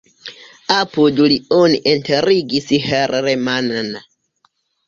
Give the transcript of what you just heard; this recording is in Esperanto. Apud li oni enterigis Herrmann.